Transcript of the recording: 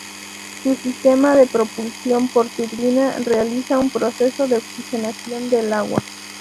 Su sistema de propulsión por turbina realiza un proceso de oxigenación del agua.